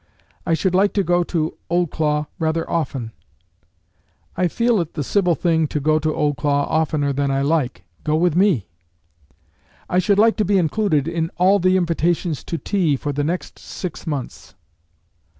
I should like to go to Oldclough rather often." "I feel it the civil thing to go to Oldclough oftener than I like. Go with me." "I should like to be included in all the invitations to tea for the next six months."